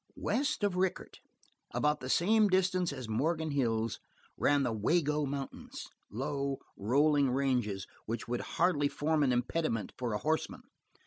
West of Rickett about the same distance as Morgan Hills, ran the Wago Mountains, low, rolling ranges which would hardly form an impediment for a horseman.